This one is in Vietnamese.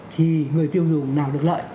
thì người tiêu dùng nào được lợi